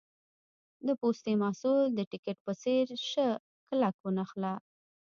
د پوستي محصول د ټیکټ په څېر شه کلک ونښله.